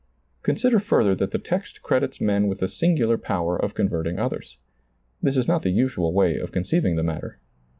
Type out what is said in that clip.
Consider further that the text credits men with the singular power of converting others. This is not the usual way of conceiving the matter.